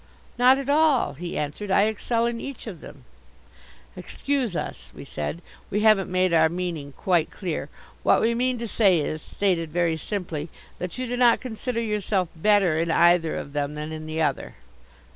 "Not at all," he answered, "I excel in each of them." "Excuse us," we said, "we haven't made our meaning quite clear. What we meant to say is, stated very simply, that you do not consider yourself better in either of them than in the other?"